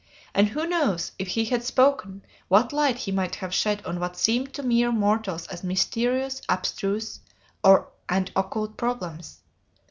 And who knows, if he had spoken, what light he might have shed on what seemed to mere mortals as mysterious, abstruse, and occult problems?